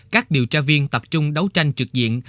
các điều tra viên tập trung đấu tranh trực diện